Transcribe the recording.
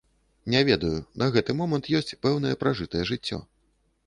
Не ведаю, на гэты момант ёсць пэўнае пражытае жыццё.